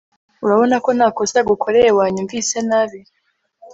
Urabona ko ntakosa agukoreye wanyumvise nabi